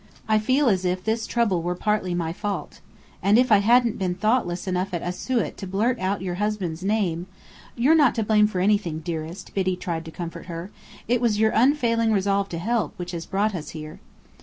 I feel as if this trouble were partly my fault. And if I hadn't been thoughtless enough at Asiut to blurt out your husband's name ." "You're not to blame for anything, dearest," Biddy tried to comfort her. "It was your unfailing resolve to help, which has brought us here."